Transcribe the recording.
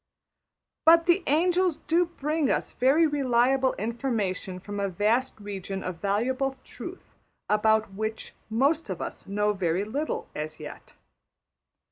But the angels do bring us very reliable information from a vast region of valuable truth about which most of us know very little as yet.